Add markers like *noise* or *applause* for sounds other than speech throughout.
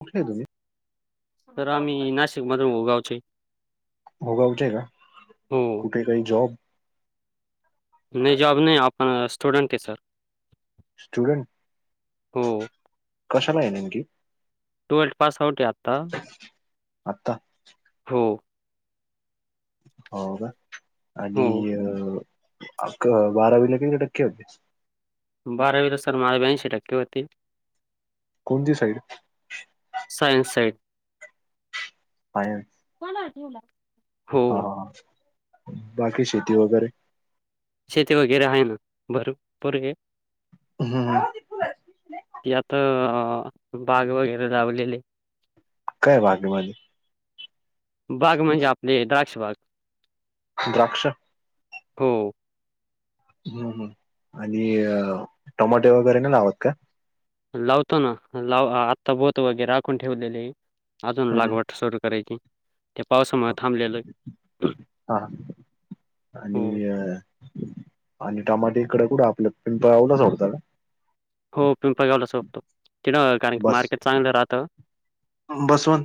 कुठलं हाय तुम्ही? तर आम्ही नाशिक मधून भो गावचे. भो गावचे आहे का? हो. कुठे काही जॉब? नाही जॉब नाही आपण स्टूडंट आहे सर. स्टुडंट, हो. कशाला हाय नेमके? ट्वेल्थ पास आउट हाय आता. आत्ता? हो. हो का हो. आणि अ अ बारावीला किती टक्के होते? बारावीला सर माझ ब्याऐंशी टक्के होते. कोणती साईड? Science side. सायन्स. च्या ठेवला हा बाकी शेती वगैरे? शेती वगैरे आहे ना भरपूर आहे. हम्म, हम्म. ते आता बाग वगैरे लावलेले. काय बागेमध्ये बाग म्हणजे आपले द्राक्ष बाग. द्राक्ष. हो. हम् हम् आणि टमाटे वगैरे न लावत का? लावतो ना लाव आत्ता बोत वगैर आखून ठेवलेले. अजून हम्म, हम्म. लागवट सुरू करायची. त्या पावसामुळे थांबलेलं आहे. हा हा. हो. आणि अ आणि टमाटे इकड कुठ आपल्या पिंपळगाव ला सोडत का? हो पिंपळगावला सोडतो तिथ न कारण की बस मार्केट चांगलं राहत. बसवंत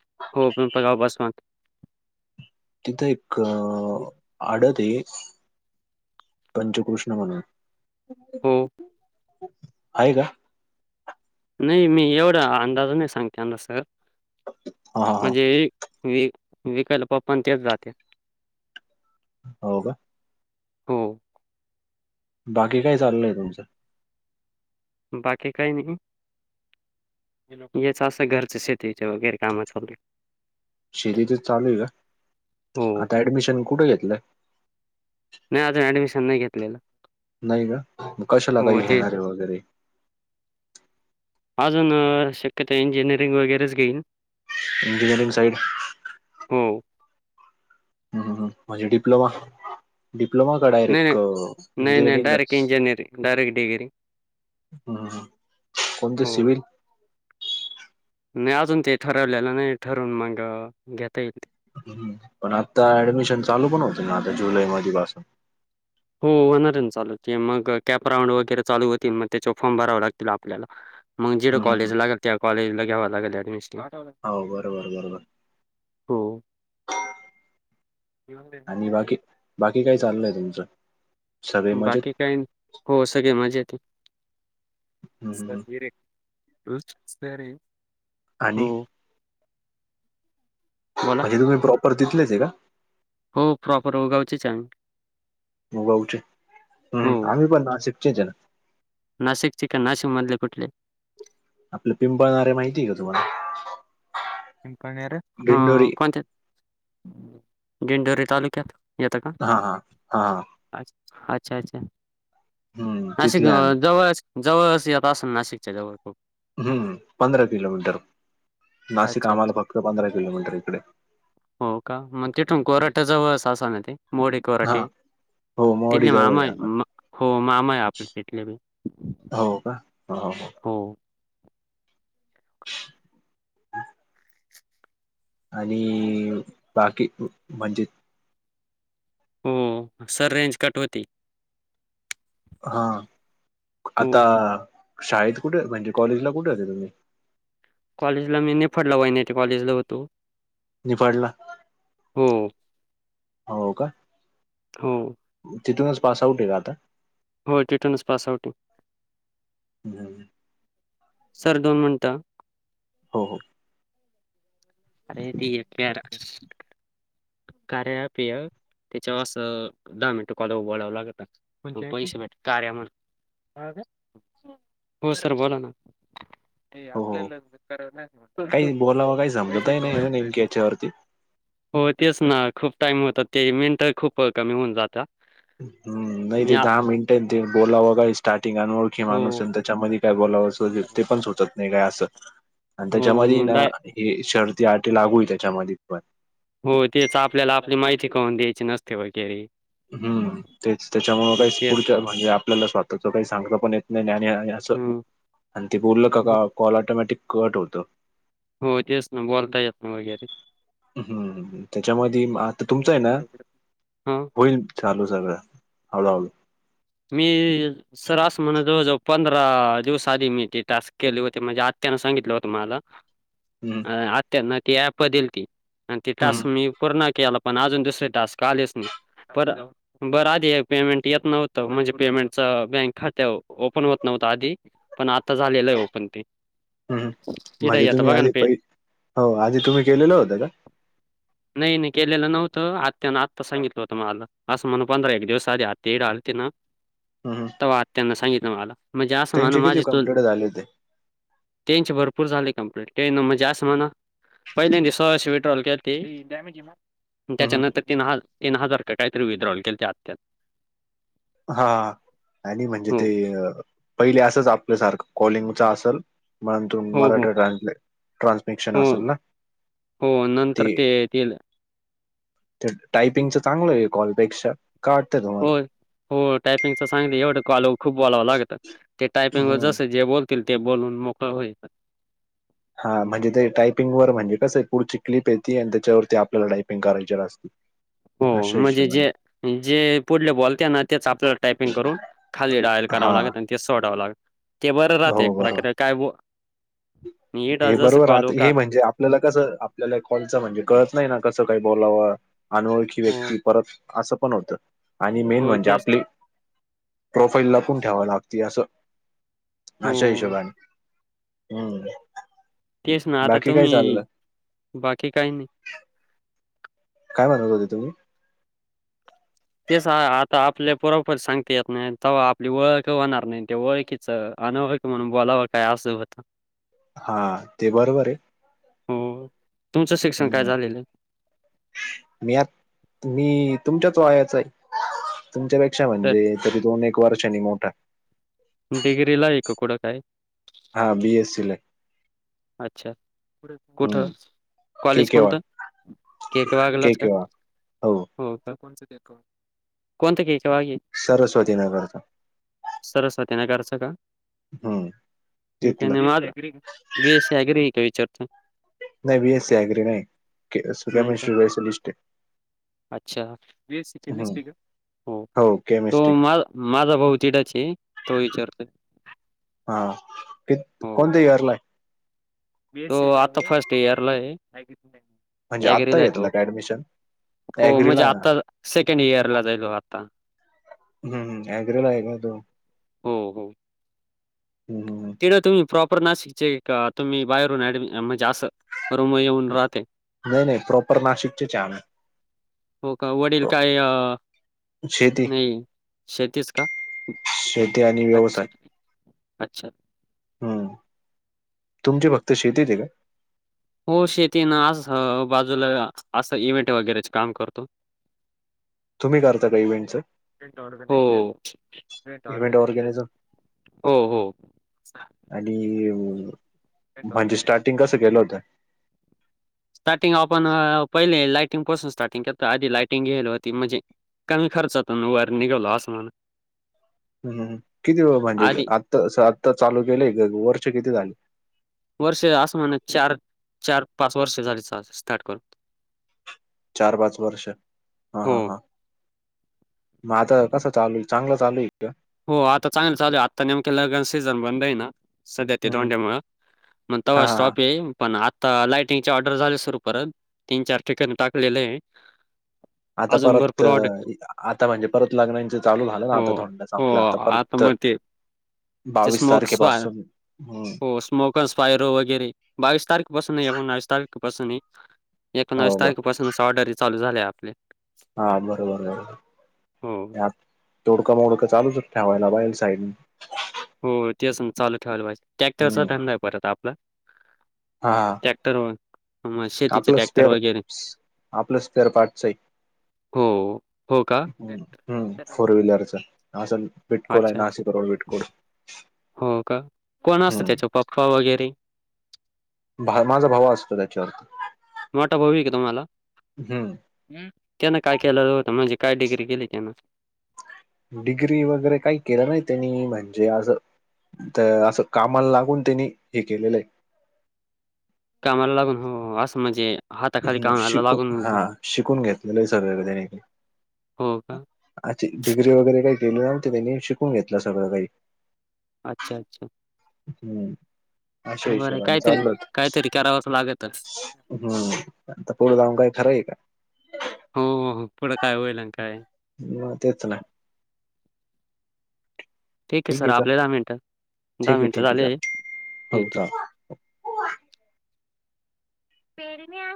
*unintelligible* हो पिंपळगाव तिथं एक अ आडत आहे. पंचकृष्ण म्हणून हो. आहे का? नाही मी एवढं अंदाजा नाही सांगते सर हा हा हा म्हणजे व विकायला पप्पा न तेच जात्यात. हो का बाकी काय चाललंय तुमचं बाकीे काहीनी ल हचब घरच खेतीच्या वगैर काम म च शेती तर चालू आहे का हो. आता ऍडमिशन कुठे घेतलंय नाही अजून ॲडमिशन नाही घेतलेलं नाही का मग कशाला हो काही ते घेणारे वगैरे अजून शक्यत इंजिनिअरिंग वगैरेच घेईन इंजिनियरिंग सईड हो हम्म हम् हम् म्हणजे डिप्लोमा डीिप्लमा काडायर नाही, एक नाही. नाही, नाही इंजिनीिरींगच डायरेक्ट इंजिनिअरिंग, डायरेक्ट डिग्री. हम् कोणते हो. सिभल नाही अजून ते ठरवलेलं नाही ठरवून मग घेता येईल ह् पण आता ऍडमिशन चालू पण होते ना आता जुलै मधपसून हो होणारन चालू ते मग कॅप राऊंड वगैरे चालू होतील मग त्याच्या फॉर्म भरावे लागतील आपल्याला मग जेवं हं, हं, हं. कॉलेज लागल त्याॉलेजला घ्याव लागल ऍडमिशन हो बरोबर बरोबर हो आणि बाकी बाकी काय चाललंय तुमचं सगळे मजेत? बाकी काय हो सगळे मजा येत हं, स हं, हं. र र र आणि बोला म्हणजे तुम्ही प्रॉपर तथलेच आहे का हो प्रॉपर उगाऊच च मुगऊठ हम् आमही पण ना शिकचेज ना नाशिक चिकन नाशिक मधले कुठले आपलं पिंपळणारे माहिती आहे का तुम्हाला ं हा दिंडोरी कोणत्या दिडंडोरी तालुक्यात येतं का? हा हा हा हा अच्छा अच्छा नाशिक तिथले आम्ही जवळ जवळ येत असेल नाशिकच्या जवळ खूप हम्म पंधरा किलोमीटर नाशिक अच्छा आम्हाला अच्छा फक्त पंधरा किलोमीटर इकडे हो का मग ते ठोंकोराट्या जवळ ससा न ते मोडी हा कोरटे हो मोवाडी त्याले जवळ मामा आहे आम्हाला हो मामाय आपलेले भी हो का हो हो आणि बाकी म्हणजे हो सर रेंज कट होती हा हो. आता शाळेत कुठे म्हणजे कॉलेजला कुठे होेत तुम्ही कॉलेजला मी नाही पडला वहिने कॉलेजला होतो निपाडला होम हो का हो तिथूनच पास आउट आहे का आता हो टिटर्नस पास आउटिंग हम् सर दोन म्हणत हो हो अरे ती एक कार्य आप मध्ये ये त्याच्या असं दहा मिनटं कॉल बळावं लागत पैसे भेट कार्या म्हण हो सर बोला ना हे हो हो आपल्याला कराव नाही काही बोलावं काही पाहिज समजतही नाही कावारी नेमक्या याच्यावरती हो तेच ना खूप टाइम होतात ते मिनट खूप कमी होऊन जात हम् नाही ते दहा मिनटे ते बोलावं का स्टार्टिंग अनओळखी माणूस हो. आहे त्याच्यामध्ये का बोलाव अस ते पण सुचत नाही काय असं आणि हो त्याच्यामध्ये ना मुंडा हे ती आटी लागू आहे त्याच्यामध्ये पण हो तेच आपल्याला आपली माहिती करून द्यायची नसते वगैरे हम्मच त्याच्यामु काही तेच पुढ म्हणजे आपल्याला स्वतःच काही सांगत पण येत नाही आणि असं हम्म आणि ते बोललं का का कॉल ऑटोमॅटिक कट होत हो तेच ना बोलता येत ना वगैरे हम्म त्याच्यामध्ये आता तुमचं आहे ना हा होईल चालू सगळं हळू हळू मी सरास म्हण जवळ जवळ पंधरा दिवस आधी मी ती टास्क केली होती म्हणजे आ त्यांना सांगितलं होत मला हम्म अ आत ना ती ऍप दिली ती आणि ती हम्म टास्क मी पूर्ण केला पण अजून दुसर टास्क आलेच नाही ब बरं आधी पेमेंट येत नव्हत म्हणजे पेमेंटच बँक खात्या ओपन होत नव्हतं आधी पण आता झालेलं आहे ओपन ते हम् तिथे म्हणजे येतं तुम्ही बघा ना आधी पेमेंट पै हो आधी तुम्ही केलेलं होतं का नाही नाही केलेलं नव्हतं आत्तं आत्ता सांगितलं होतं मला असं म्हणून पंधरा एक दिवस आधी आत्ता येडली हम्म. त्यांना सांगितलं मला म्हणजे आं म्हण त्यांचे किती माझी चुल कंप्लीट झाले होते टनची भरपूर झाली कंप्लीट तेन मग जास्त म्हणा पहिल्या सोळाशे पेट्रोल केले त्याच्यानंतर तीन ह तीन हजार का काहीतरी विदड्रॉल केल त्या आत्यात हा आणि म्हणजे ते पहिले असंच आपल्यासारखं कॉलिंगचा असेल म्हण त हो, हो, मराठाान ट्रान्समिक्शन हो, असेल ना हो नंतर ते येले ते टायपिंगच चांगलं आहे कॉलपेक्षा का वाटतंय तुम्हाला टायपिंग चांगल एवढं कॉल खू बोलाव लागतं ते टायपिंग व हम्म जसं जे बोल ते बोलून मोकळ होईात हा म्हणजे ते टायपिंग वर म्हणजे कसं आहे पुढची क्लिप येते आणि त्याच्यावरती आपल्याला टायपिंग करायची रा असते हो अशा म्हणजे हिशोबाने जे जे पुढले बोलते ना तेच आपल्याला टायपिंग करून खाली डायल कराव हा लागत ते सोडावं लाग ते बरं हो राहते बरोबर इकडं हे जसं बरोबर कॉल हो आता का हे म्हणजे आपल्याला कसं आपल्याला कॉलचं म्हणजे कळत नाही ना कसं काही बोलावं अनोळखी हो, व्यक्ती परत असं पण होतं आणि मेन हो म्हणजे तेच. आपली प्रोफाईल ला पून ठेवा लागते असं असशा हो, हशोबा हम्म तेस ना आता बाकी काय तुम्ही ये चाललं बाकी काही नाही काय म्हणत होते तुम्ही तेच आता आपल्या पुरपुरीत सांगता येत नाही तेव्हा आपली ओळख होणार नाही ते ओळखीच अनोळखी म्हणून बोलायचं असं होत हा ते बरोबर आहे हो तुमचं शिक्षण काय हम्म. झालेलं तुमच्या तो आचा आहे तुमच्यापेक्षा तर म्हणजे तरी दोन एक वर्षनी मोठा डिग्री ला एकक कुडं काय हा बीएससी ला आहे अच्छाठ कुठे हम्म के कॉलेज कोणत? केवाळ केके के वागलाच का? केवाळ हो. कोणत के? केव्हा घे सरस्वती नगरचा. त्यांना कराच का? हम्म तिथलं मऽ काग नाही का विचारतो. नाही, वी एस सी अग्री आय नाही सुगम का? श्री वैस स्पेशलिस्ट या.. अच्छा, फिजिएस केमिस्ट्री का? हो, तो मा माझा भाऊ तिथच या तो विचारतोय.. हा, कि हो. कोणत्या ईरला य.? तो आता फर्स्ट इयर ला आहे. म्हणजे आता ॲग्रीला आहे घेतलं तो. का ऍडमिशन? हो म्हणजे अॅग्रीला आता सेकंड इयरला जाईल हो आता.. हम्, हम अग्रे ला आहे का तो? हो हो, हम्म तिकडं तुम्ही प्रॉपर नाशिकचे का? तुम्ही बाहेरून ऍडजऽऽ जास रूमं गेऊन राहते.. नाही नाही प्रॉपर नाशिकचेच आहे आम्ही हो, का वडील काय? शेती नाही शेतीस का? शेती आणि अच्छा व्यवसाय,, अच्छा. हम्, तुमचे फक्तऽऽ तर शेती ते का? हो, शेती ना असं, बाजूला असं इव्हेंट वगैरेचे काम करतो. तुम्ही करता का इव्हेंटचं.. इव्हेंट ऑर्गॅनिझम होय,, आणि. ऽऽ म्हणजे स्टार्टिंग कसं केलं होतं? स्टार्टिंग आपणऽऽ पहिले लायटिंग पासून स्टार्टिंग केलतं आधी लायटिंग घेयल होती, म्हणजेऽऽ कमी खर्चातून वर निघलो आसनऽऽ हम्, किती म्हणजे आता आत्ता चालू केलेय वर्ष किती झाले? वर्ष आस मा ना चार चार पाच वर्ष झालीच स्टार्ट करतऽऽ चार, पाच वर्ष हा हो, हा हा. मग आता कसं चालू या चांगलं चालू य? हो आता चांगलं चालू य, आता नेमक लगना चा सीझन बंद आहे ना.. सध्या ते हम्म दोंड्यामुळं, मग हा तवा हा हा स्टॉप येईल पण आऽऽ आता लाइटिंग च ऑर्डर झाले सुरू परत,, तीन चार ठिकाणी टाकलेले आहेऽऽ आता परतऽऽ आता म्हणजे परत लग्नाचे चालू झालं ना,, हो, आता हो धोंडऽऽ आता म ते बावीस चषमोक्सवाय.. तारखेपासून हम्म हो स्मोकन स्पायरो वगैरे,, बावीस तारखे पासून नाही पणवीस तारखऽऽ पाून हो एकोणवीस ब तारखे पाासूनच ऑर्डर चालू झाल्या आपलेऽऽ हा, बरोबर आहे, हो ब तोडका मोडका चालूचतऽऽ ठेवायला बाईल साईड. होऽ तेच चालू ठेवायला पाहिजे,, ट्रॅक्टरचा हम्म धंदा आहे परत आपला.. ट्रॅक्टर वऽऽ काप्लसपप्लसपेअर पाारटस य. हो हो का ह हम्म, फोर व्हीलरच, असंऽऽ विटकोला आहे, अच्छा अच्छा नाशिक रोड विटकोळ. हो का कोण असतं हम्म. त्याच्या पप्पा वगैरे भाव,, माझा भावा असतो त्याच्यावरतीऽऽ मोठा भाव आय का तुम्हाला? हम्म त्यांन काय केलं मजेऽ? काय डिग्री केली त्यान? डिग्री वगैरे काही केलं नाही त्यांनी.. म्हणजे असं, असं कामाला लागून त्यांनी हे केलेलं या.. कामाला लागून हो, हो असं म्हणजेऽऽ हम् शिकू हा शिकून घेतलेल हे सगळ सगळं तेनी हो का आ ती डिग्री वगैरे काही केल नव्हते तेनी शिकून घेतलं सगळं काही अच्छा अच्छा हम् अशा बरं हिशोबाने काहीतरी चाललोयत काहीतरी करावंच लागत हम्म आता पुढ जाऊन काय खरं आहे का हो हो हो पुढ काय होईल आण काय मग तेच ना ठीक आहे सर आपले दहा मिनिट दहा ठीक मिनिट ठीक झाले आहे चालेल हो ठेवतो चालेल. पेरणी आहे